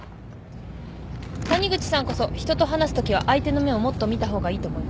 谷口さんこそ人と話すときは相手の目をもっと見た方がいいと思います。